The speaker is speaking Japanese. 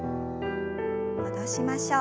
戻しましょう。